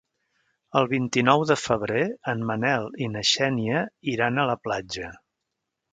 El vint-i-nou de febrer en Manel i na Xènia iran a la platja.